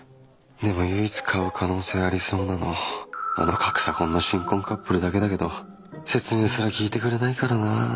でも唯一買う可能性ありそうなのあの格差婚の新婚カップルだけだけど説明すら聞いてくれないからなあ。